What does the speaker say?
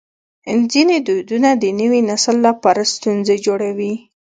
ځینې دودونه د نوي نسل لپاره ستونزې جوړوي.